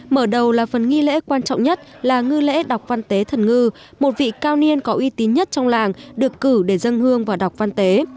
mở đầu là phần nghi lễ quan trọng nhất là ngư lễ đọc văn tế thần ngư một vị cao niên có uy tín nhất trong làng được cử để dân hương và đọc văn tế